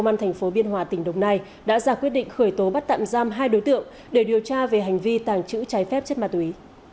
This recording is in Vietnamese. công an thành phố biên hòa tỉnh đồng nai đã ra quyết định khởi tố bắt tạm giam hai đối tượng để điều tra về hành vi tàng trữ trái phép chất ma túy